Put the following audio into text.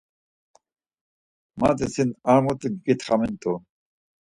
Mati sin ari mutu giǩitxamint̆u.